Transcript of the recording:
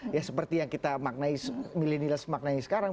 ya seperti yang kita milenialis maknai sekarang